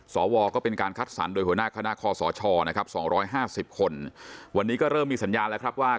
สวก็เป็นการคัดสรรโดยหัวหน้าคณะคอสชนะครับ๒๕๐คนวันนี้ก็เริ่มมีสัญญาณแล้วครับว่า